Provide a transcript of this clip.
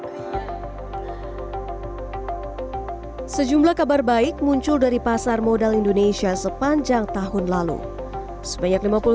hai sejumlah kabar baik muncul dari pasar modal indonesia sepanjang tahun lalu sebanyak lima puluh sembilan